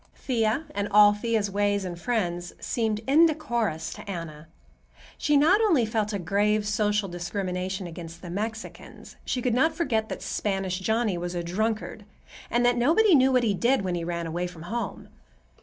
Thea, and all Thea's ways and friends, seemed indecorous to Anna. She not only felt a grave social discrimination against the Mexicans; she could not forget that Spanish Johnny was a drunkard and that "nobody knew what he did when he ran away from home."